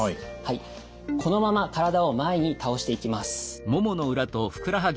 このまま体を前に倒していきます。